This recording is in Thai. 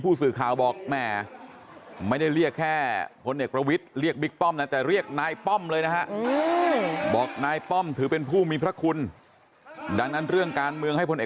ผู้สื่อข่าวบอกแม่